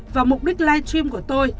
và mục đích live stream của tôi